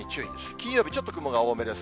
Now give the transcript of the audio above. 金曜日、ちょっと雲が多めです。